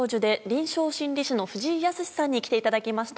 臨床心理士の藤井靖さんに来ていただきました。